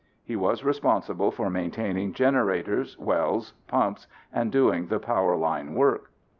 He was responsible for maintaining generators, wells, pumps and doing the power line work.